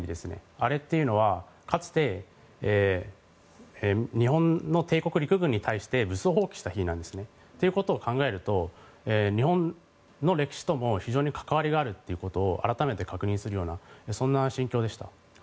あれっていうのはかつて日本の帝国陸軍に対して武装蜂起した日なんですね。ということを考えると日本の歴史とも非常に関わりがあるということを改めて確認するようなそんな心境でした。